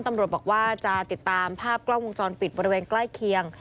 ตำรวจบอกว่าจะติดตามภาพกล้องวงจรปิดบริเวณใกล้เคียง